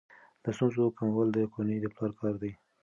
د ستونزو کمول د کورنۍ د پلار کار دی.